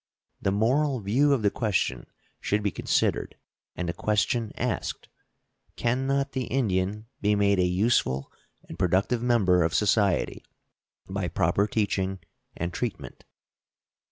The moral view of the question should be considered and the question asked, Can not the Indian be made a useful and productive member of society by proper teaching and treatment?